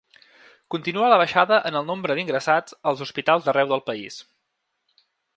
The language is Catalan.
Continua la baixada en el nombre d’ingressats als hospitals d’arreu del país.